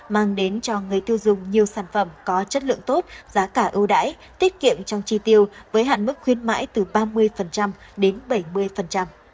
mang đến cho người tiêu dùng nhiều sản phẩm có chất lượng tốt giá cả ưu đãi tiết kiệm trong chi tiêu với hạn mức khuyến mãi từ ba mươi đến bảy mươi